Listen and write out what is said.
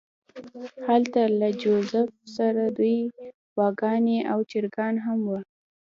هلته له جوزف سره دوې غواګانې او چرګان هم وو